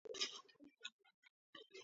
გერმანია ასობით სამეფო–სამთავროებად დაიყო.